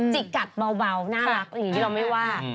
จิกกัดเบาน่ารักอย่างนี้เราไม่ว่า